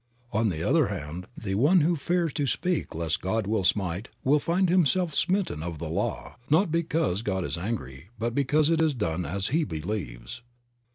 On the other hand, the one who fears to speak lest God will smite will find himself smitten of the law, not because God is angry, but because it is done as he believes.